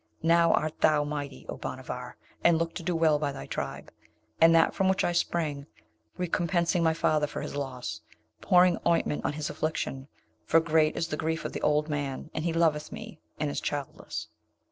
Now art thou mighty, O Bhanavar! and look to do well by thy tribe, and that from which I spring, recompensing my father for his loss, pouring ointment on his affliction, for great is the grief of the old man, and he loveth me, and is childless.'